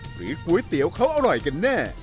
ก๋วยเตี๋ยวเขาอร่อยกันแน่